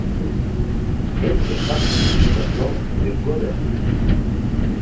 Elle fait partie du canton de Goderville.